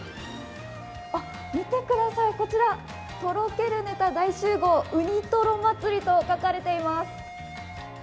見てください、こちら、とろけるネタ大集合、うにとろ祭と書かれています。